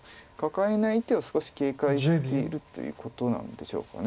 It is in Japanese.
カカえない手を少し警戒しているということなんでしょうか。